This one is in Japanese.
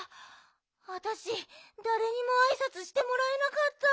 わたしだれにもあいさつしてもらえなかった。